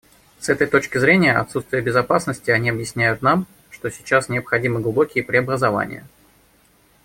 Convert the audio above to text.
С этой точки зрения отсутствия безопасности они объясняют нам, что сейчас необходимы глубокие преобразования.